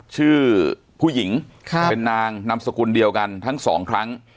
ชื่อผู้หญิงเป็นนางนามสกุลเดียวกันทั้งสองครั้ง